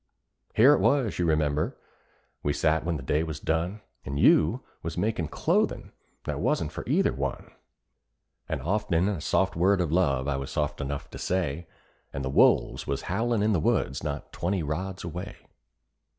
Here it was, you remember, we sat when the day was done, And you was a makin' clothing that wasn't for either one; And often a soft word of love I was soft enough to say, And the wolves was howlin' in the woods not twenty rods away.